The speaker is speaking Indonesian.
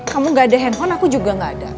kamu gak ada handphone aku juga gak ada